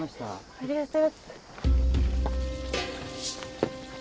ありがとう。